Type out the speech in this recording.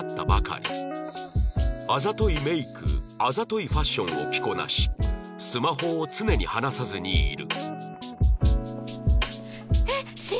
あざといメイクあざといファッションを着こなしスマホを常に離さずにいる